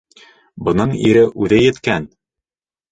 Бының ире үҙе еткән.